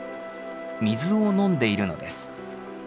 水を飲んでいるのです。